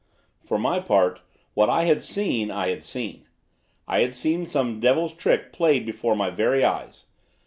For my part, what I had seen I had seen. I had seen some devil's trick played before my very eyes.